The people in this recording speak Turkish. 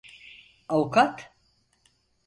Avukat?